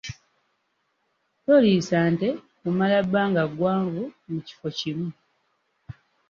Toliisa nte kumala bbanga ggwanvu mu kifo kimu.